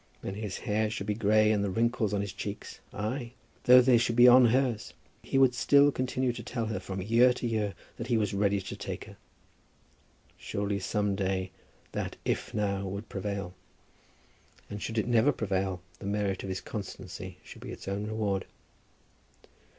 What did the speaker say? When his hair should be grey, and the wrinkles on his cheeks, ay, though they should be on hers, he would still continue to tell her from year to year that he was ready to take her. Surely some day that "if now" would prevail. And should it never prevail, the merit of his constancy should be its own reward.